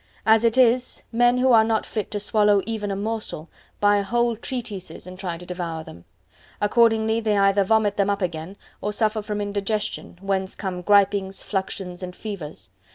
As it is, men who are not fit to swallow even a morsel, buy whole treatises and try to devour them. Accordingly they either vomit them up again, or suffer from indigestion, whence come gripings, fluxions, and fevers.